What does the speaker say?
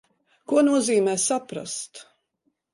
Ko nozīmē saprast?